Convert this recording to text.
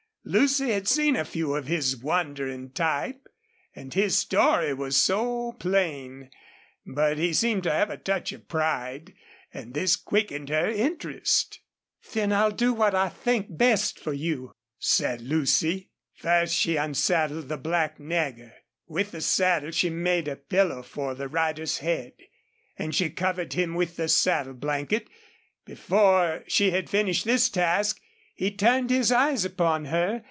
Lucy had seen a few of his wandering type, and his story was so plain. But he seemed to have a touch of pride, and this quickened her interest. "Then I'll do what I think best for you," said Lucy. First she unsaddled the black Nagger. With the saddle she made a pillow for the rider's head, and she covered him with the saddle blanket. Before she had finished this task he turned his eyes upon her.